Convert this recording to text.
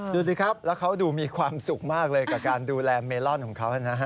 ดูสิครับแล้วเขาดูมีความสุขมากเลยกับการดูแลเมลอนของเขานะฮะ